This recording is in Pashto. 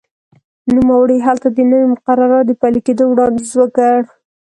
نوموړي هلته د نویو مقرراتو د پلي کېدو وړاندیز وکړ.